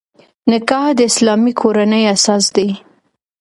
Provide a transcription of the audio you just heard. نکاح د اسلامي کورنۍ اساس دی.